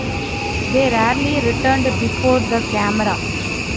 They rarely returned before the camera.